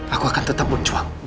aku akan tetap menjuang buat kamu